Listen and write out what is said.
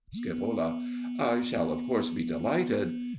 Scaevola. I shall of course be delighted.